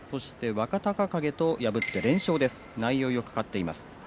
若隆景破って２連勝です。